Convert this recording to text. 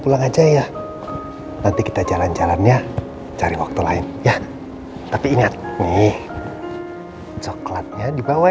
pulang aja ya nanti kita jalan jalannya cari waktu lain ya tapi ingat nih coklatnya dibawa